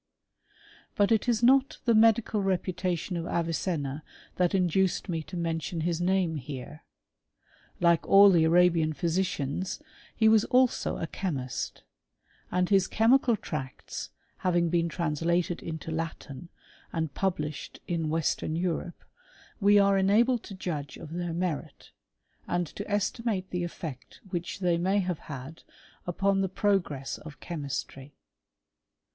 = t But it is not the medical reputation of Avicenna that> induced me to mention his name here. like all tW Arabian physicians, he was also a chemist ; and . lam chemical tracts having been translated into Latin, ancb published in Western Europe, we are enabled to judge CHSKISTRY OF THE ARAltlANS. 137 of their merit, and to estimate the effect which they may have had upon the progress of chemistry.